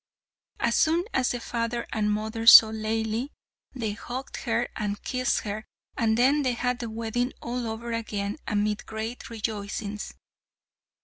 As soon as the father and mother saw Laili, they hugged her and kissed her, and then they had the wedding all over again amid great rejoicings.